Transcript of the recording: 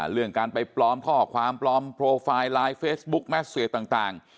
เรื่องการไปปลอมข้อความปลอมโปรไฟล์ไลน์เฟซบุ๊กแมสเซียต่าง